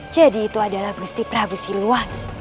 jadi itu adalah gusti prabu siliwangi